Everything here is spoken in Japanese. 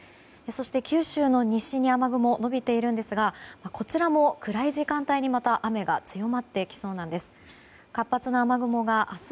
そして、九州の西に雨雲が延びているんですがこちらも暗い時間帯に、また雨が強まってきそうなんです。